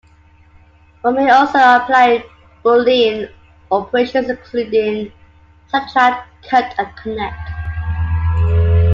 One may also apply boolean operations, including subtract, cut and connect.